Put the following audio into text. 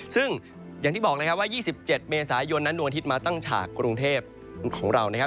ซึ่งอย่างที่บอกเลยครับว่า๒๗เมษายนนั้นดวงอาทิตย์มาตั้งฉากกรุงเทพของเรานะครับ